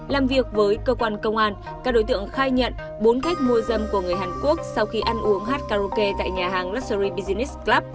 làm việc với cơ quan công an các đối tượng khai nhận bốn cách mua dâm của người hàn quốc sau khi ăn uống hát karaoke tại nhà hàng luxury business club